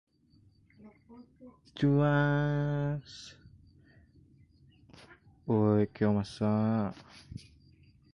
His advisor was Nikolai Luzin.